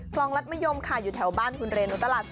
คลองรัฐมะยมค่ะอยู่แถวบ้านหุ่นเรนนูตลาดลำปาย